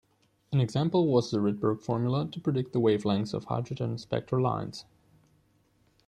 An example was the Rydberg formula to predict the wavelengths of hydrogen spectral lines.